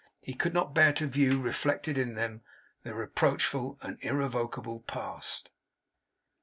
He could not bear to view reflected in them, the reproachful and irrevocable Past.